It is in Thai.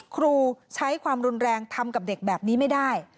ครูใช้ความรุนแรงทำกับเด็กแบบนี้ไม่ได้